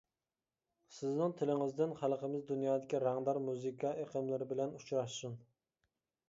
سىزنىڭ تىلىڭىزدىن خەلقىمىز دۇنيادىكى رەڭدار مۇزىكا ئېقىملىرى بىلەن ئۇچراشسۇن.